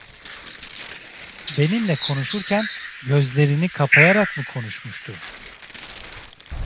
Benimle konuşurken gözlerini kapayarak mı konuşmuştu?